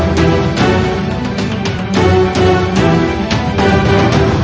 thưa quý vị